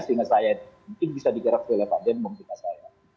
sehingga saya itu mungkin bisa dikerakkan oleh pak jemmong juga saya